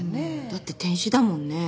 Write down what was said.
だって天使だもんね。